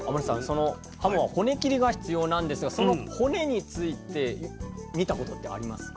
そのはもは骨切りが必要なんですがその骨について見たことってありますか？